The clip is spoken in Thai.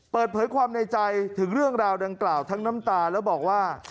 เปิดเผยความในใจถึงเรื่องราวดังกล่าวทั้งน้ำตาแล้วบอกว่า